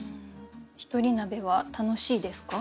一人鍋は楽しいですか？